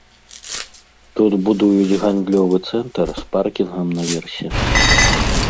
Тут будуюць гандлёвы цэнтр з паркінгам на версе.